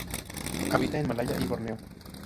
Habita en Malaya y Borneo.